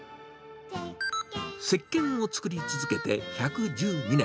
せっけんを作り続けて１１２年。